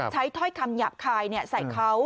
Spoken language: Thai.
ถ้อยคำหยาบคายใส่เขา